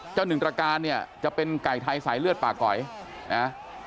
หนึ่งตรการเนี่ยจะเป็นไก่ไทยสายเลือดปากก๋อยนะ